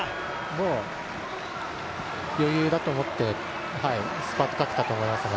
もう余裕だと思ってスパートかけたと思いますね。